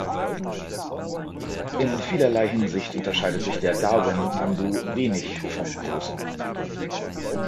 In vielerlei Hinsicht unterscheidet sich der Darwin-Nandu wenig vom großen Nandu.